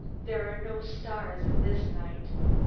There are no stars in this night!'